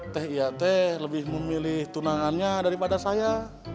teh ia teh lebih memilih tunangannya daripada saya